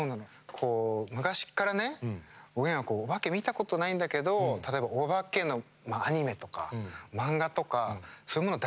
こう昔っからねおげんはおばけ見たことないんだけど例えばおばけのアニメとか漫画とかそういうもの大好きだったの。